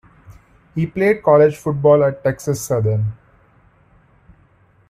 He played college football at Texas Southern.